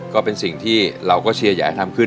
ก็เป็นสิ่งที่เราก็เชียร์ใหญ่ทำคือ